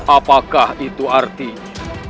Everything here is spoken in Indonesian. apakah itu artinya